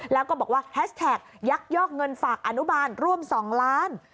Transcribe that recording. แล้วก็บอกว่าแฮชแท็กยักยอกเงินฝากอนุบาลร่วม๒ล้าน